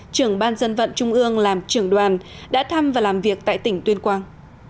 trưởng ban dân vận trung ương làm trưởng đoàn đã thăm và làm việc tại tỉnh tuyên quang